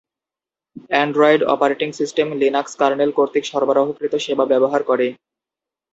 Android operating system Linux kernel কর্তৃক সরবরাহকৃত সেবা ব্যবহার করে।